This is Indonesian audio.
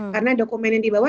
karena dokumen yang dibawa